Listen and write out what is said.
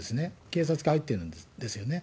警察が入ってるんですよね。